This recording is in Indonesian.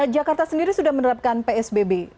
jakarta sendiri sudah menerapkan psbb